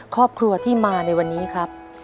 ครอบครัวที่มาในวันนี้ครับ